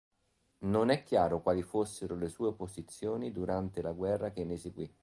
Non è chiaro quali fossero le sue posizioni durante la guerra che ne seguì.